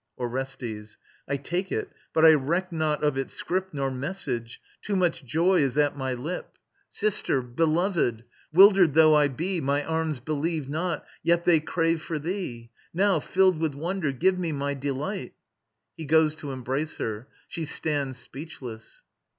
ORESTES. I take it, but I reck not of its scrip Nor message. Too much joy is at my lip. Sister! Beloved! Wildered though I be, My arms believe not, yet they crave for thee. Now, filled with wonder, give me my delight! [he goes to embrace her. she stands speechless.